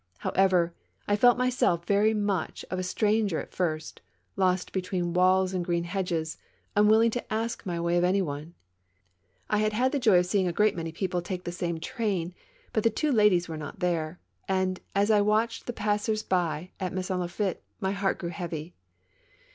However, I felt myself very much of a stranger at first, lost between walls and green hedges, unwilling to ask my way of any one. I had had the joy of seeing a great many people take the same train; but the two ladies were not there, and, as I watched the passers by at Maisons Laffitte, my heart grew heavy.